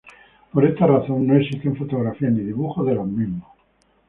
Por esta razón, no existen fotografías ni dibujos de los mismos.